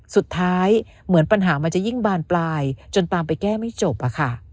สุดท้ายเหมือนปัญหามันจะยิ่งบานปลายจนตามไปแก้ไม่จบอะค่ะ